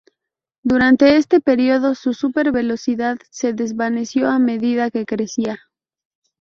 Durante este período, su súper velocidad se desvaneció a medida que crecía.